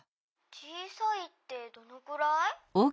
「小さいってどのくらい？」。